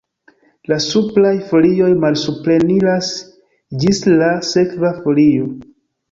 La supraj folioj malsupreniras ĝis la sekva folio.